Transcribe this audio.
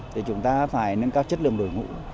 thì chúng ta phải nâng cao chất lượng đội ngũ